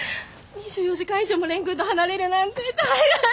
２４時間以上も蓮くんと離れるなんて耐えられない！